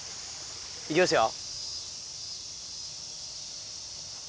いきますよ。